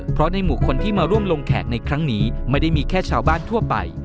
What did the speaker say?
เพราะในหมู่คนที่มาร่วมลงแขกในครั้งนี้ไม่ได้มีแค่ชาวบ้านทั่วไป